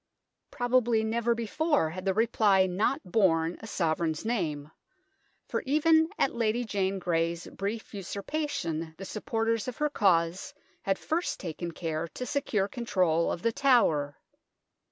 Probably never before had the reply not borne a Sovereign's name, for even at Lady Jane Grey's brief usurpation the supporters of her cause had first taken care to secure control of The Tower.